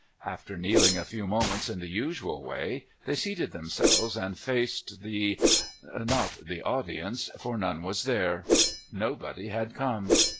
After kneeling a few moment in the usual way, they seated themselves and faced the — not the audience, for none was there. Nobody had come.